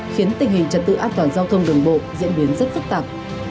khiến tình hình trật tự an toàn giao thông đường bộ diễn biến rất phức tạp